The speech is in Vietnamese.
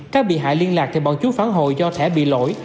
các bị hại liên lạc thì bọn chúng phán hội do thẻ bị lỗi